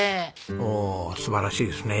おお素晴らしいですね。